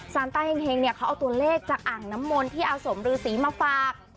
ซานต้าเฮ้งเขาเอาตัวเลขจากอ่างน้ำมนที่อาสมรือศรีมาฝาก